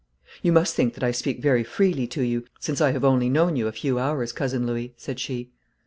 'You must think that I speak very freely to you, since I have only known you a few hours, Cousin Louis,' said she.